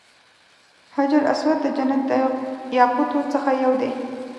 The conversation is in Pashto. حجر اسود د جنت د یاقوتو څخه یو دی.